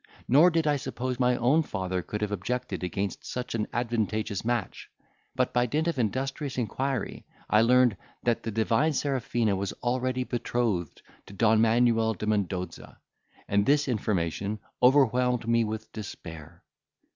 Nor did I suppose my own father could have objected against such an advantageous match; but, by dint of industrious inquiry, I learned, that the divine Serafina was already betrothed to Don Manuel de Mendoza, and this information overwhelmed me with despair.